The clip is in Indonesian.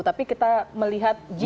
tapi kita melihat jika memang